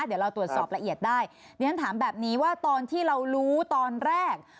เดี๋ยวเราตรวจสอบละเอียดได้ดิฉันถามแบบนี้ว่าตอนที่เรารู้ตอนแรก